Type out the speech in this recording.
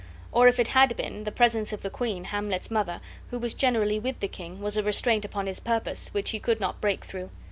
Or if it had been, the presence of the queen, Hamlet's mother, who was generally with the king, was a restraint upon his purpose, which he could not break through.